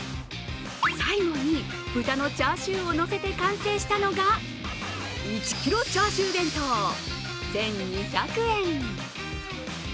最後に豚のチャーシューをのせて完成したのが１キロチャーシュー弁当、１２００円。